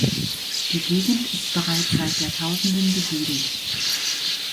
Die Gegend ist bereits seit Jahrtausenden besiedelt.